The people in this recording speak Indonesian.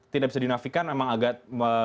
tidak bisa dinafikan memang agak